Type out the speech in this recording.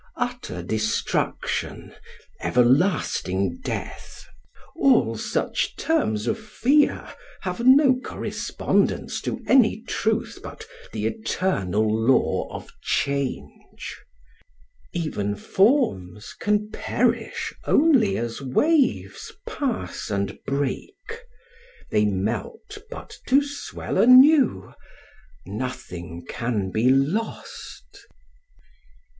Utter destruction, everlasting death, — all Digitized by Google REVERY 213 such terms of fear have no correspondence to any truth but the eternal law of change. Even forms can perish only as waves pass and break : they melt but to swell anew, — nothing can be lost.